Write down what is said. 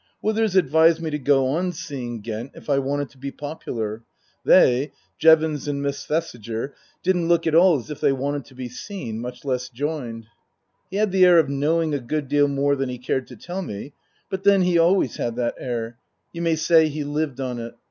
Withers advised me to go on seeing Ghent if I wanted to be popular. They Jevons and Miss Thesiger didn't look at all as if they wanted to be seen, much less joined. He had the air of knowing a good deal more than he cared to tell me ; but then he always had that air ; you may say he lived on it.